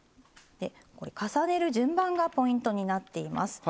重ねる順番がポイントになっています。